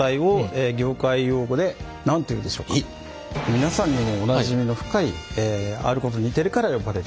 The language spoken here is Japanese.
皆さんにもおなじみの深いあることに似てるから呼ばれる。